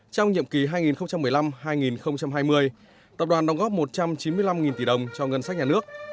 trong nhiệm kỳ hai nghìn một mươi năm hai nghìn hai mươi tập đoàn đóng góp một trăm chín mươi năm tỷ đồng cho ngân sách nhà nước